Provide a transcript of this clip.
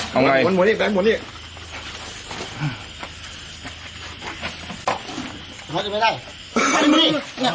เอาไงหมดนี้หมดนี้